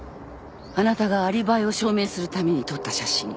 あなたがアリバイを証明するために撮った写真